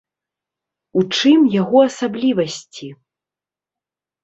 У чым яго асаблівасці?